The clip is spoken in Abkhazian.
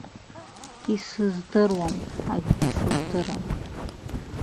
Исыздыруам, акгьы сыздырам.